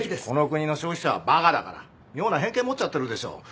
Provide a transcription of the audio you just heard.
この国の消費者はバカだから妙な偏見持っちゃってるでしょ。